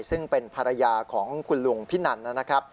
ซึ่งเป็นภรรยาของคุณลุงพินันนะครับ